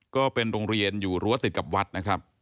ก็เป็นโรงเรียนอยู่รั้วติดกับวัดนะครับ